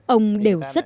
ông đều rất chân quý